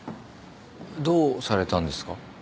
どうされたんですか？